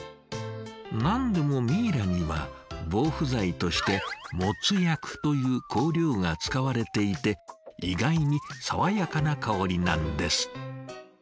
何でもミイラには防腐剤として没薬という香料が使われていて意外に爽やかな香りなんです。